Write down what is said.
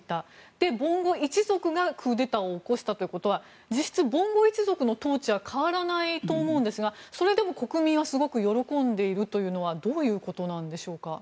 で、ボンゴ一族がクーデターを起こしたということは実質、ボンゴ一族の統治は変わらないと思うんですがそれでも国民はすごく喜んでいるというのはどういうことなんでしょうか。